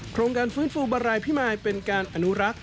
โครงการฟื้นฟูบารายพิมายเป็นการอนุรักษ์